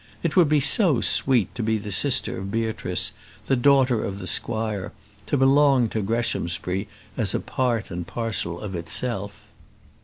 It would be so sweet to be the sister of Beatrice, the daughter of the squire, to belong to Greshamsbury as a part and parcel of itself.